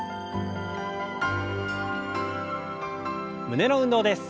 胸の運動です。